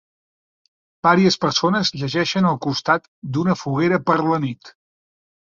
Vàries persones llegeixen al costat d"una foguera per la nit.